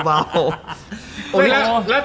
หายใจเบา